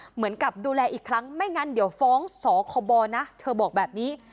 เหมือนกับดูแลอีกครั้งไม่งั้นเดี๋ยวฟ้องสคบนะเธอบอกแบบนี้